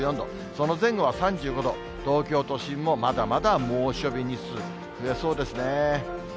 その前後は３５度、東京都心もまだまだ猛暑日日数、増えそうですね。